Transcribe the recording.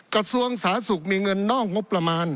กระทรวงศาสุกมีเงินนอกงบประมาณ